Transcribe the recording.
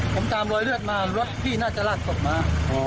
ผมตามรอยเลือดมารถพี่น่าจะลากศพมา